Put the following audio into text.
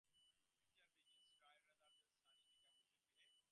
Winter begins dry and rather sunny but becomes progressively wetter and cloudier.